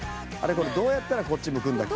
これどうやったらこっち向くんだっけ？